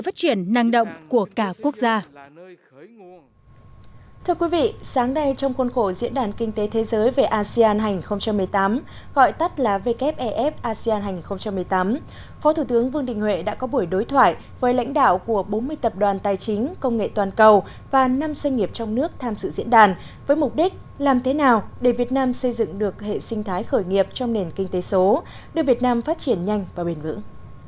thưa quý vị sáng nay trong khuôn khổ diễn đàn kinh tế thế giới về asean hành một mươi tám gọi tắt là wff asean hành một mươi tám phó thủ tướng vương đình huệ đã có buổi đối thoại với lãnh đạo của bốn mươi tập đoàn tài chính công nghệ toàn cầu và năm doanh nghiệp trong nước tham sự diễn đàn với mục đích làm thế nào để việt nam xây dựng được hệ sinh thái khởi nghiệp trong nền kinh tế số đưa việt nam phát triển nhanh và bền vững